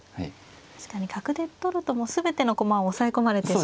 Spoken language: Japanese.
確かに角で取ると全ての駒を押さえ込まれてしまいそうな。